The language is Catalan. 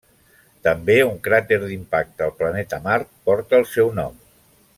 També un cràter d'impacte al planeta Mart porta el seu nom.